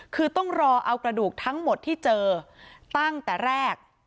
คือต้องรอเอากระดูกทั้งหมดที่เจอตั้งแต่แรก